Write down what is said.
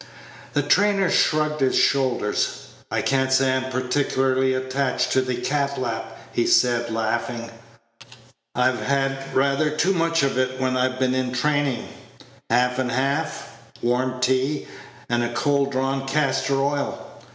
The trainer shrugged his shoulders. "I can't say I am particularly attached to the cat lap," he said, laughing; "I've had rather too much of it when I've been in training half and half, warm tea, and cold drawn castor oil.